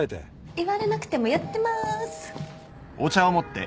言われなくてもやってます。